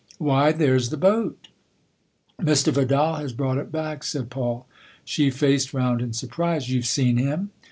" Why, there's the boat !"" Mr. Vidal has brought it back," said Paul. She faced round in surprise. "You've seen him